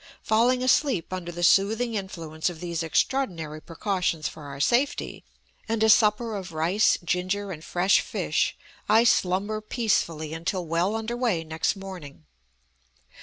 Falling asleep under the soothing influence of these extraordinary precautions for our safety and a supper of rice, ginger, and fresh fish, I slumber peacefully until well under way next morning.